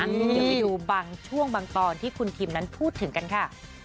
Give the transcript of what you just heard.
เดี๋ยวไปดูบางช่วงบางตอนที่คุณทิมนั้นพูดถึงกันค่ะ